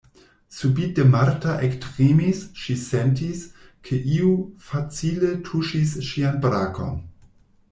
Subite Marta ektremis, ŝi sentis, ke iu facile tuŝis ŝian brakon.